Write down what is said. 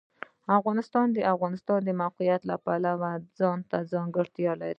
افغانستان د د افغانستان د موقعیت د پلوه ځانته ځانګړتیا لري.